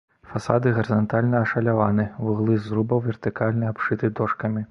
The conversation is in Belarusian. Фасады гарызантальна ашаляваны, вуглы зрубаў вертыкальна абшыты дошкамі.